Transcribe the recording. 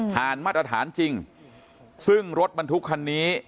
มาตรฐานจริงซึ่งรถบรรทุกคันนี้